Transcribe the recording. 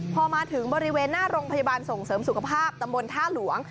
พอมาถึงบริเวณหน้าโรงพยาบาลส่งเสริมสุขภาพตำบลท่าหลวง